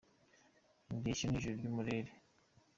Indeshyo ni ijuru ry’umurere